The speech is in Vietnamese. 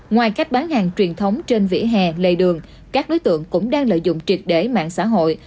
ngoài cách bán hàng truyền thống trên vỉa hè lề đường các đối tượng cũng đang lợi dụng triệt để mạng xã hội